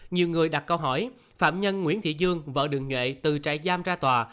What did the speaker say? nhiều người đặt câu hỏi phạm nhân nguyễn thị dương vợ đường nhuệ từ trại giam ra tòa